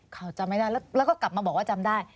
เขาจำไม่ได้แล้วก็กลับมาบอกว่าจำได้